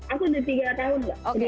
aku sudah tiga tahun mbak